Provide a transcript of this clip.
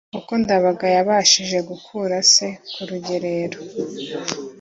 kuko ndabaga yabashije gukura se ku rugerero